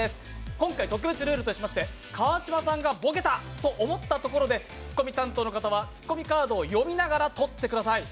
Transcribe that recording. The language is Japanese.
今回、特別ルールで、川島さんがボケたと思ったところでツッコミ担当の方はツッコミカードを読みながら取ってください。